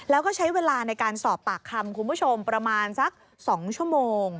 แล้วก็ใช้เวลาในการสอบปากคำคุณผู้ชมประมาณสัก๒ชั่วโมง